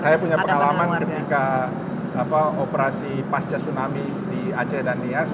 saya punya pengalaman ketika operasi pasca tsunami di aceh dan nias